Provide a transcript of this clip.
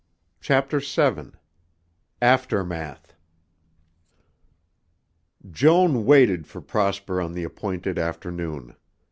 CHAPTER VII AFTERMATH Joan waited for Prosper on the appointed afternoon.